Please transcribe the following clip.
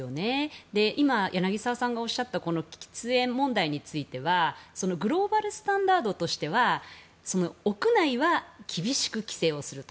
今、柳澤さんがおっしゃったこの喫煙問題についてはグローバルスタンダードとしては屋内は厳しく規制をすると。